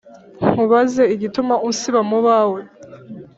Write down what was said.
Nkubaze igituma unsiba mu bawe